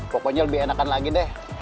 pokoknya lebih enakan lagi deh